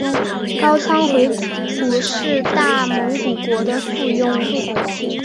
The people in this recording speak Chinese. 高昌回鹘是大蒙古国的附庸。